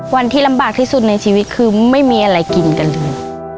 วันที่ลำบากที่สุดในชีวิตคือไม่มีอะไรกินกันเลย